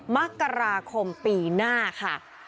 มกราคมปีหน้าค่ะ